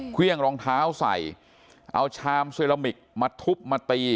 เครื่องรองเท้าใส่เอาชามเซรามิกมาทุบมาตี